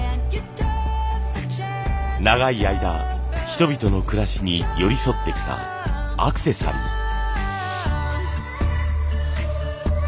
長い間人々の暮らしに寄り添ってきたアクセサリー。